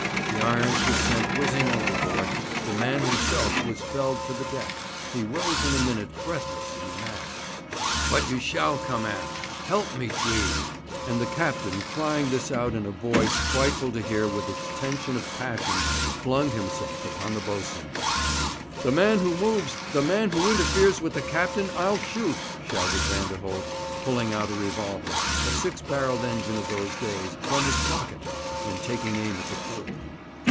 The irons were sent whizzing overboard, the man himself was felled to the deck. He rose in a minute, breathless and mad. 'But you shall come aft. Help me, Tweed!' And the captain, crying this out in a voice frightful to hear with its tension of passion, flung himself upon the boatswain. 'The man who moves the man who interferes with the captain, I'll shoot!' shouted Vanderholt, pulling out a revolver, a six barrelled engine of those days, from his pocket, and taking aim at the crew.